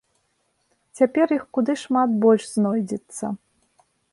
Цяпер іх куды шмат больш знойдзецца.